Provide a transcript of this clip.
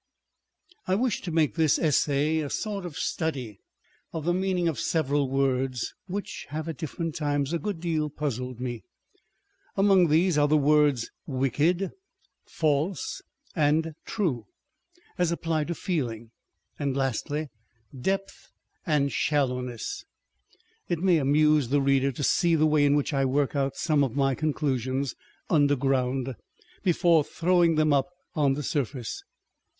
I WISH to make this Essay a sort of study of the meaning of several words, which have at different times a good deal puzzled me. Among these are the words, wicked, false and true, as applied to feeling ; and lastly, depth and sltallowness. It may amuse the reader to see the way in which I work out some of my conclusions underground, before throwing them up on the surface.